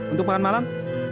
untuk makan malam